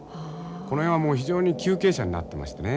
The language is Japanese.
この辺はもう非常に急傾斜になってましてね